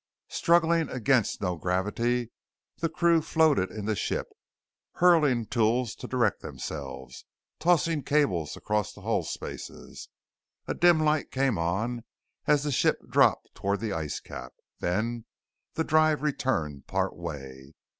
Struggling against no gravity, the crew floated in the ship, hurling tools to direct themselves, tossing cables across the hull spaces. A dim light came on as the ship dropped toward the ice cap, then the drive returned part way.